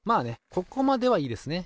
ここまではいいですね。